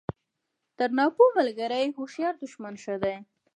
تر ناپوه ملګري هوښیار دوښمن ښه دئ!